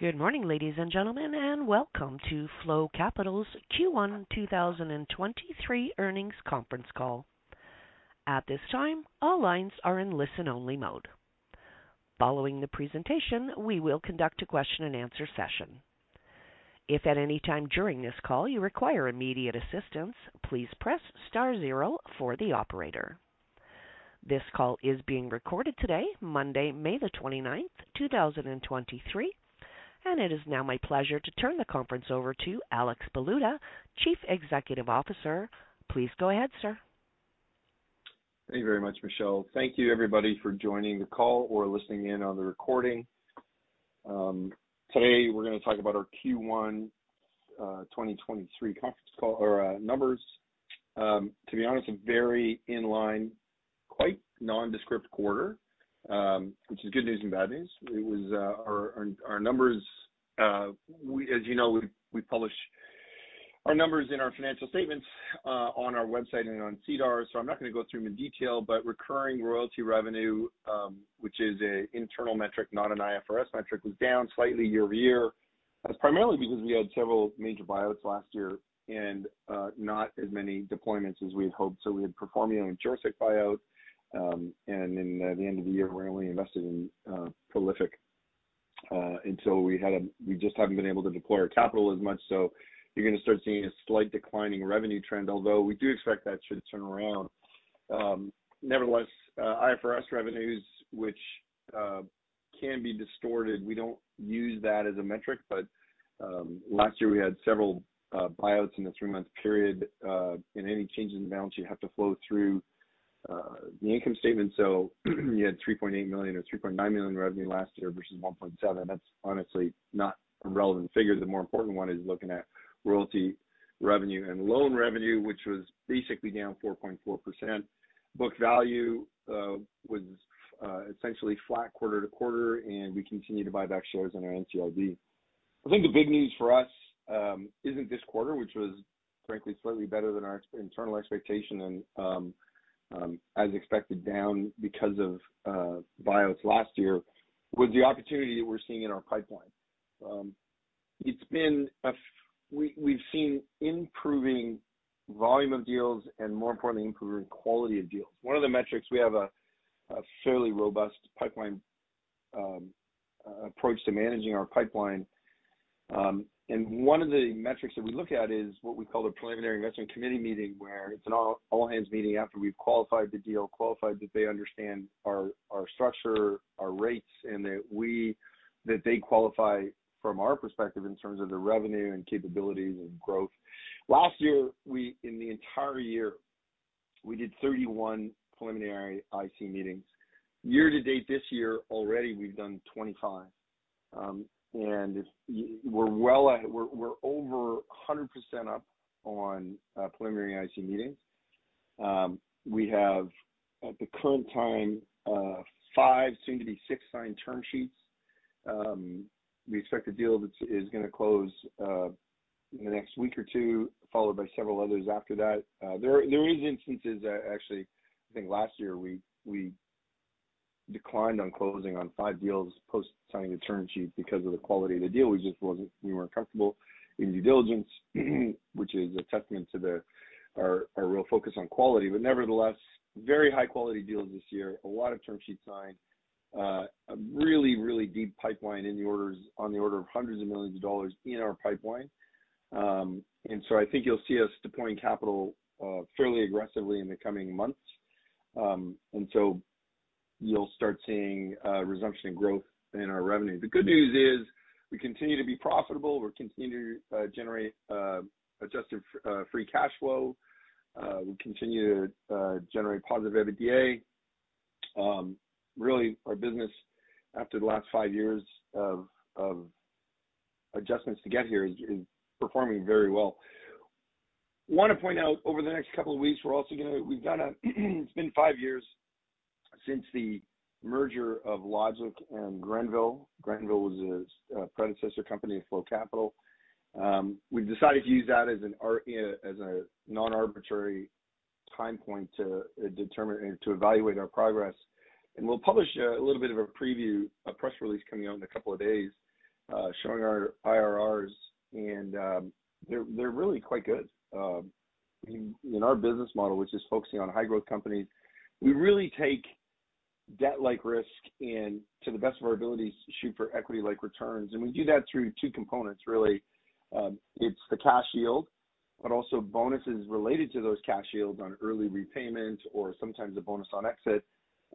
Good morning, ladies and gentlemen, Welcome to Flow Capital's Q1 2023 Earnings Conference Call. At this time, all lines are in listen-only mode. Following the presentation, we will conduct a question-and-answer session. If at any time during this call you require immediate assistance, please press star zero for the operator. This call is being recorded today, Monday, May the 29th, 2023, and it is now my pleasure to turn the conference over to Alex Baluta, Chief Executive Officer. Please go ahead, sir. Thank you very much, Michelle. Thank you, everybody, for joining the call or listening in on the recording. Today we're going to talk about our Q1 2023 conference call or numbers. To be honest, a very in line, quite nondescript quarter, which is good news and bad news. It was. Our numbers, we, as you know, we publish our numbers in our financial statements, on our website and on SEDAR, so I'm not going to go through them in detail. Recurring royalty revenue, which is an internal metric, not an IFRS metric, was down slightly year-over-year. That's primarily because we had several major buyouts last year and not as many deployments as we had hoped. We had performed the only Jurecki buyout, and then at the end of the year, we only invested in Prolific. We just haven't been able to deploy our capital as much. You're going to start seeing a slight declining revenue trend, although we do expect that should turn around. Nevertheless, IFRS revenues, which can be distorted, we don't use that as a metric, but last year we had several buyouts in a three-month period, and any changes in balance sheet have to flow through the income statement. You had 3.8 million or 3.9 million in revenue last year, versus 1.7 million. That's honestly not a relevant figure. The more important one is looking at royalty revenue and loan revenue, which was basically down 4.4%. Book value was essentially flat quarter-to-quarter, and we continued to buy back shares on our NCIB. I think the big news for us isn't this quarter, which was frankly slightly better than our internal expectation and as expected, down because of buyouts last year, with the opportunity that we're seeing in our pipeline. We've seen improving volume of deals and, more importantly, improving quality of deals. One of the metrics, we have a fairly robust pipeline approach to managing our pipeline. One of the metrics that we look at is what we call the preliminary investment committee meeting, where it's an all hands meeting after we've qualified the deal, qualified that they understand our structure, our rates, and that they qualify from our perspective in terms of the revenue and capabilities and growth. Last year, we, in the entire year, we did 31 preliminary IC meetings. Year to date, this year already, we've done 25. We're over 100% up on preliminary IC meetings. We have, at the current time, 5, soon to be 6 signed term sheets. We expect a deal that's going to close in the next week or two, followed by several others after that. There is instances that actually, I think last year we declined on closing on five deals post signing the term sheet because of the quality of the deal. We just weren't comfortable in due diligence, which is a testament to our real focus on quality, but nevertheless, very high-quality deals this year. A lot of term sheets signed. A really deep pipeline in the orders, on the order of hundreds of millions of CAD in our pipeline. I think you'll see us deploying capital fairly aggressively in the coming months. You'll start seeing a resumption in growth in our revenue. The good news is we continue to be profitable. We continue to generate adjusted free cash flow. We continue to generate positive EBITDA. Really, our business, after the last 5 years of adjustments to get here, is performing very well. Want to point out over the next couple of weeks, it's been 5 years since the merger of LOGiQ and Grenville. Grenville was a predecessor company of Flow Capital. We've decided to use that as a non-arbitrary time point to determine and to evaluate our progress. We'll publish a little bit of a preview, a press release coming out in a couple of days, showing our IRRs, and they're really quite good. In our business model, which is focusing on high growth companies, we really take debt-like risk and, to the best of our abilities, shoot for equity-like returns. We do that through 2 components, really. It's the cash yield, also bonuses related to those cash yields on early repayment or sometimes a bonus on exit.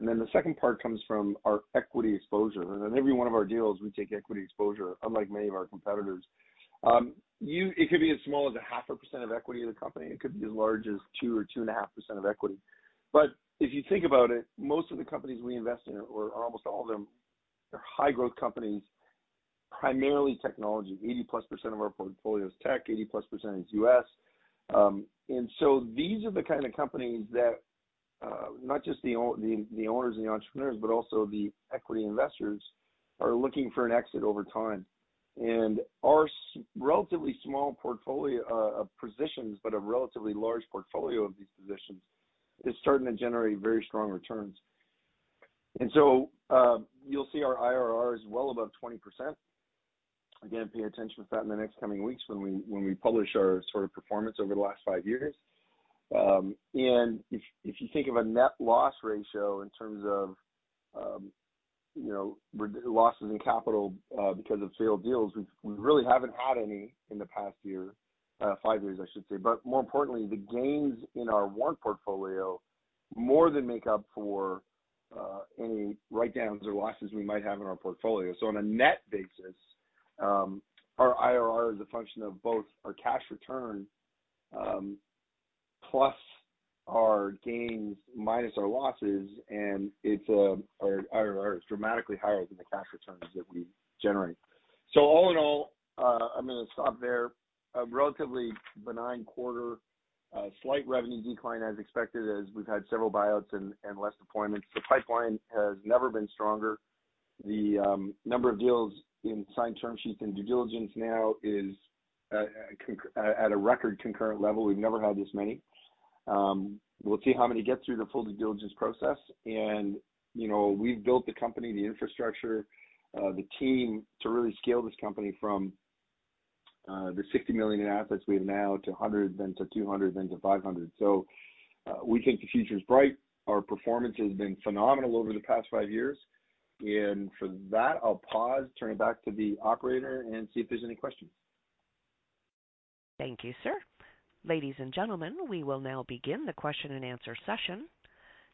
The second part comes from our equity exposure. In every one of our deals, we take equity exposure, unlike many of our competitors. It could be as small as a half a percent of equity in the company. It could be as large as 2% or 2.5% of equity. If you think about it, most of the companies we invest in, or almost all of them, are high growth companies, primarily technology. 80%+ of our portfolio is tech, 80%+ is U.S. These are the kind of companies that not just the owners and the entrepreneurs, but also the equity investors, are looking for an exit over time. Our relatively small portfolio of positions, but a relatively large portfolio of these positions. It's starting to generate very strong returns. You'll see our IRR is well above 20%. Again, pay attention to that in the next coming weeks when we, when we publish our sort of performance over the last five years. If you think of a net loss ratio in terms of, you know, losses in capital because of failed deals, we really haven't had any in the past year, five years, I should say. More importantly, the gains in our warrant portfolio more than make up for any write-downs or losses we might have in our portfolio. On a net basis, our IRR is a function of both our cash return, plus our gains minus our losses, and it's our IRR is dramatically higher than the cash returns that we generate. All in all, I'm gonna stop there. A relatively benign quarter, slight revenue decline as expected, as we've had several buyouts and less deployments. The pipeline has never been stronger. The number of deals in signed term sheets and due diligence now is at a record concurrent level. We've never had this many. We'll see how many get through the full due diligence process. You know, we've built the company, the infrastructure, the team, to really scale this company from the 60 million in assets we have now, to 100 million, then to 200 million, then to 500 million. We think the future is bright. Our performance has been phenomenal over the past five years, and for that, I'll pause, turn it back to the operator and see if there's any questions. Thank you, sir. Ladies and gentlemen, we will now begin the question-and-answer session.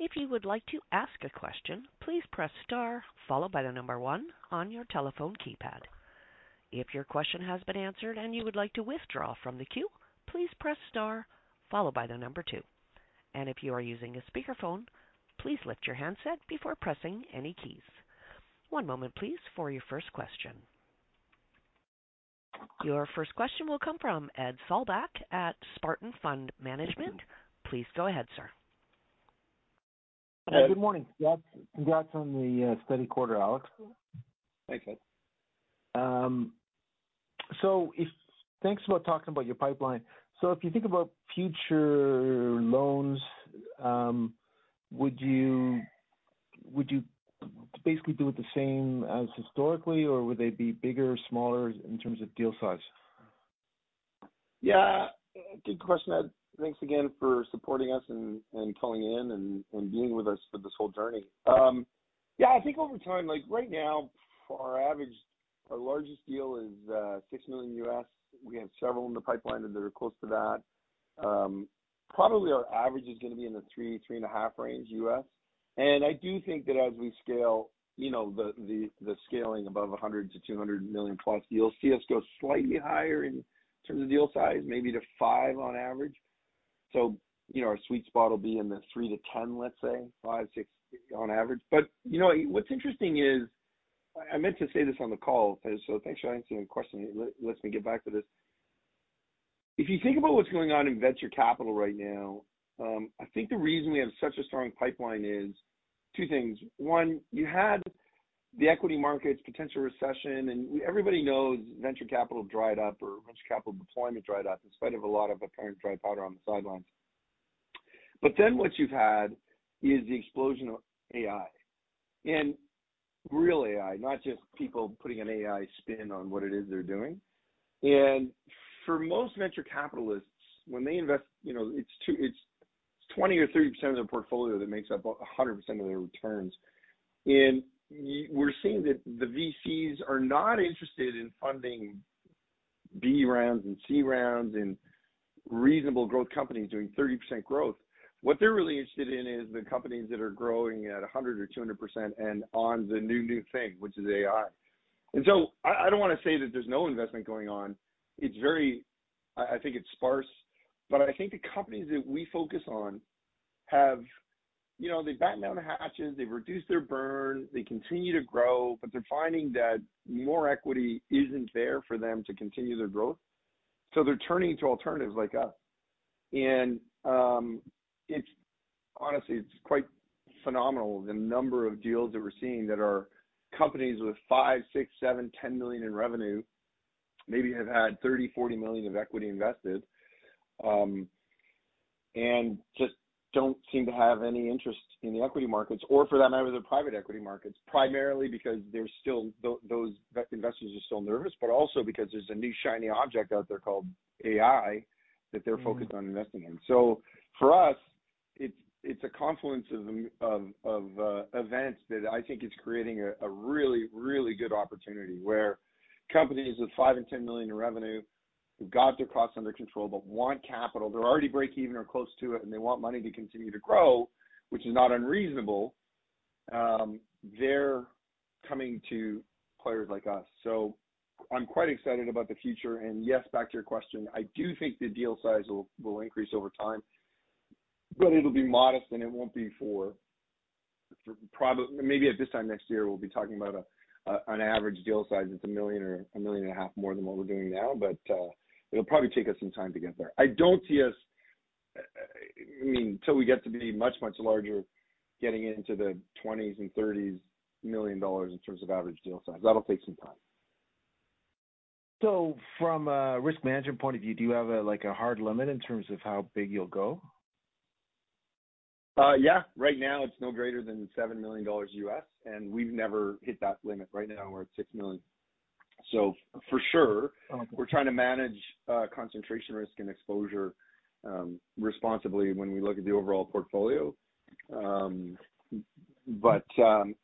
If you would like to ask a question, please press star followed by one on your telephone keypad. If your question has been answered and you would like to withdraw from the queue, please press star followed by two. If you are using a speakerphone, please lift your handset before pressing any keys. One moment, please, for your first question. Your first question will come from Ed Sollbach at Spartan Fund Management. Please go ahead, sir. Good morning. Congrats on the steady quarter, Alex. Thanks, Ed. Thanks for talking about your pipeline. If you think about future loans, would you basically do it the same as historically, or would they be bigger or smaller in terms of deal size? Yeah, good question, Ed. Thanks again for supporting us and calling in and being with us for this whole journey. Yeah, I think over time, like right now, our largest deal is $6 million U.S. We have several in the pipeline, and they're close to that. Probably our average is gonna be in the $3 million-$3.5 million U.S. range. I do think that as we scale, you know, the scaling above $100 million-$200 million+, you'll see us go slightly higher in terms of deal size, maybe to $5 million on average. You know, our sweet spot will be in the $3 million-$10 million, let's say $5 million-$6 million on average. You know, what's interesting is, I meant to say this on the call, thanks for asking the question. Let me get back to this. If you think about what's going on in venture capital right now, I think the reason we have such a strong pipeline is two things: One, you had the equity markets, potential recession, and everybody knows venture capital dried up or venture capital deployment dried up in spite of a lot of apparent dry powder on the sidelines. What you've had is the explosion of AI, and real AI, not just people putting an AI spin on what it is they're doing. For most venture capitalists, when they invest, you know, it's 20% or 30% of their portfolio that makes up 100% of their returns. We're seeing that the VCs are not interested in funding B rounds and C rounds and reasonable growth companies doing 30% growth. What they're really interested in is the companies that are growing at 100% or 200% and on the new thing, which is AI. I don't want to say that there's no investment going on. It's very. I think it's sparse, but I think the companies that we focus on have, you know, they batten down the hatches, they've reduced their burn, they continue to grow, but they're finding that more equity isn't there for them to continue their growth. They're turning to alternatives like us. It's honestly, it's quite phenomenal, the number of deals that we're seeing that are companies with 5 million, 6 million, 7 million, 10 million in revenue, maybe have had 30 million, 40 million of equity invested, and just don't seem to have any interest in the equity markets or for that matter, the private equity markets, primarily because there's still those investors are still nervous, but also because there's a new shiny object out there called AI that they're focused on investing in. For us, it's a confluence of the, of events that I think is creating a really good opportunity, where companies with 5 million and 10 million in revenue, who've got their costs under control but want capital, they're already breakeven or close to it, and they want money to continue to grow, which is not unreasonable, they're coming to players like us. I'm quite excited about the future. Yes, back to your question, I do think the deal size will increase over time, but it'll be modest, and it won't be for maybe at this time next year, we'll be talking about an average deal size that's 1 million or 1.5 million more than what we're doing now. It'll probably take us some time to get there. I don't see us, I mean, till we get to be much, much larger, getting into the 20 million and 30 million dollars in terms of average deal size. That'll take some time. From a risk management point of view, do you have a, like, a hard limit in terms of how big you'll go? Yeah, right now it's no greater than $7 million. We've never hit that limit. Right now we're at $6 million. For sure, we're trying to manage, concentration risk and exposure, responsibly when we look at the overall portfolio.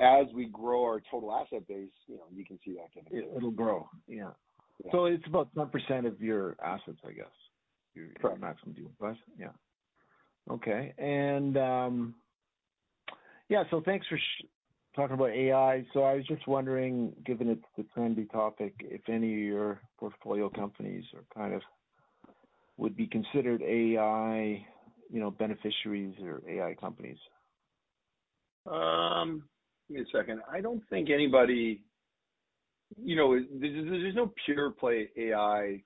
As we grow our total asset base, you know, you can see that it'll grow. It's about 10% of your assets, I guess. Correct. Maximum deal. Yeah. Okay, yeah, thanks for talking about AI. I was just wondering, given it's the trendy topic, if any of your portfolio companies are kind of, would be considered AI, you know, beneficiaries or AI companies? Give me a second. I don't think anybody. You know, there's no pure play AI, you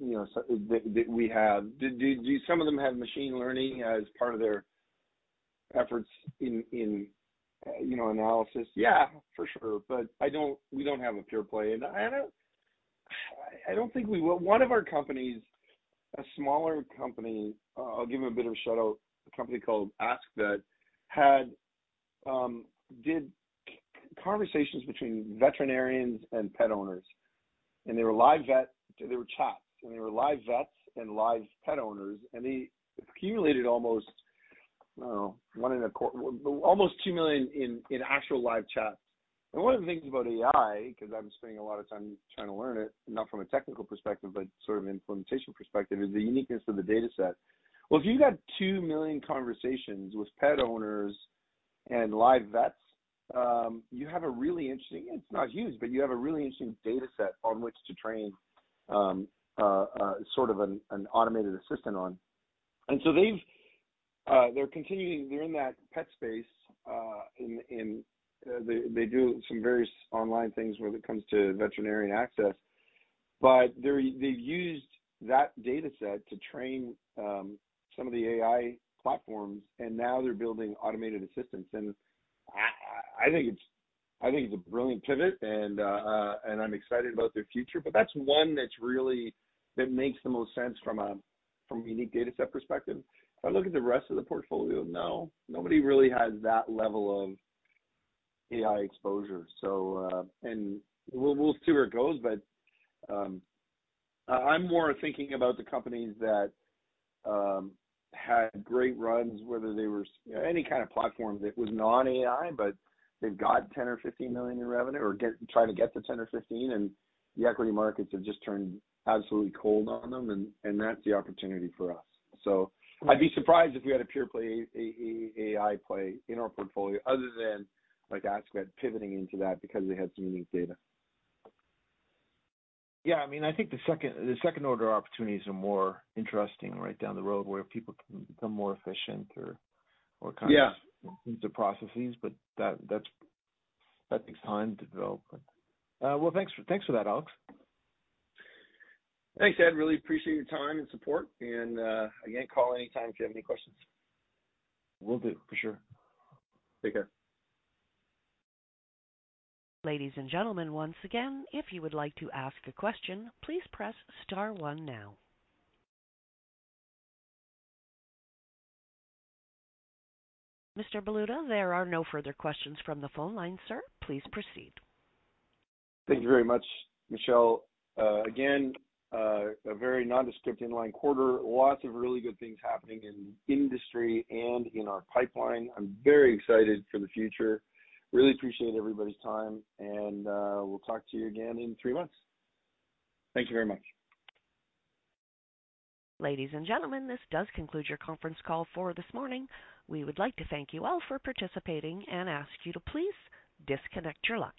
know, so that we have. Do some of them have machine learning as part of their efforts in, you know, analysis? Yeah, for sure. I don't, we don't have a pure play, and I don't, I don't think we will. One of our companies, a smaller company, I'll give him a bit of a shout-out. A company called AskVet had did conversations between veterinarians and pet owners, and they were live vet. They were chats, and they were live vets and live pet owners, and they accumulated almost, I don't know, almost 2 million in actual live chats. One of the things about AI, because I'm spending a lot of time trying to learn it, not from a technical perspective, but sort of implementation perspective, is the uniqueness of the data set. Well, if you've got 2 million conversations with pet owners and live vets, you have a really interesting, it's not huge, but you have a really interesting data set on which to train, sort of an automated assistant on. They're continuing. They're in that pet space, in, they do some various online things when it comes to veterinarian access. They're, they've used that data set to train some of the AI platforms, and now they're building automated assistants. I think it's, I think it's a brilliant pivot, and I'm excited about their future. That's one that's really, that makes the most sense from a unique data set perspective. If I look at the rest of the portfolio, nobody really has that level of AI exposure. And we'll see where it goes. I'm more thinking about the companies that had great runs, whether they were any kind of platform that was non-AI, but they've got 10 million or 15 million in revenue, or try to get to 10 or 15, and the equity markets have just turned absolutely cold on them, and that's the opportunity for us. I'd be surprised if we had a pure play AI play in our portfolio other than like AskVet pivoting into that because they had some unique data. Yeah, I mean, I think the second-order opportunities are more interesting right down the road where people can become more efficient or... Yeah. kind of the processes, but that's, that takes time to develop. Well, thanks for that, Alex. Thanks, Ed. Really appreciate your time and support. Again, call anytime if you have any questions. Will do. For sure. Take care. Ladies and gentlemen, once again, if you would like to ask a question, please press star one now. Mr. Baluta, there are no further questions from the phone line, sir. Please proceed. Thank you very much, Michelle. Again, a very nondescript inline quarter. Lots of really good things happening in the industry and in our pipeline. I'm very excited for the future. Really appreciate everybody's time, and we'll talk to you again in three months. Thank you very much. Ladies and gentlemen, this does conclude your conference call for this morning. We would like to thank you all for participating and ask you to please disconnect your lines.